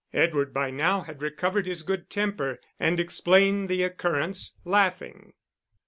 Edward by now had recovered his good temper, and explained the occurrence, laughing.